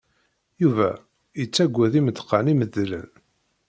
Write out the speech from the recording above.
Yuba yettaggad imeḍqan imedlen.